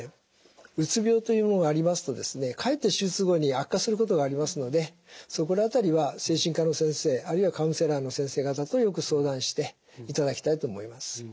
うつ病というものがありますとかえって手術後に悪化することがありますのでそこら辺りは精神科の先生あるいはカウンセラーの先生方とよく相談していただきたいと思います。